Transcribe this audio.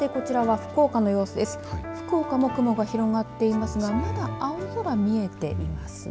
福岡も雲が広がっていますがまだ青空見えていますね。